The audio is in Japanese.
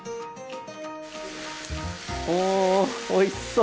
おおおいしそう！